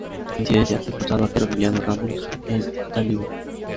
Incidencia: expulsado arquero Emiliano Ramos en Ataliva.